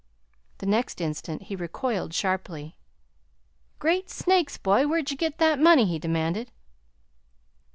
The next instant he recoiled sharply. "Great snakes, boy, where'd you git that money?" he demanded.